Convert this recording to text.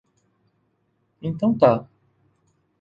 Então tá.